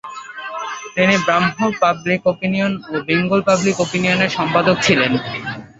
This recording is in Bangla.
তিনি "ব্রাহ্ম পাবলিক ওপিনিয়ন" ও "বেঙ্গল পাবলিক ওপিনিয়ন"-এর সম্পাদক ছিলেন।